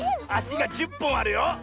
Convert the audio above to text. あしが１０ぽんあるよ。